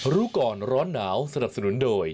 รู้ก่อนร้อนหนาวสนับสนุนโดย